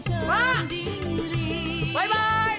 tata saran tata